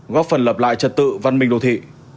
góp phần lập lại trật tự văn minh đô thị